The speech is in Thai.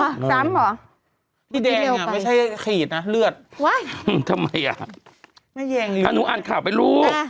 ฮะค่ะนี่แดงอ่ะไม่ใช่ขีดนะเลือดว่ะทำไมอ่ะแม่แยงอยู่นี่ถ้าดูอันข่ะไปรู้